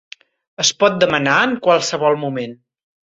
Es pot demanar en qualsevol moment.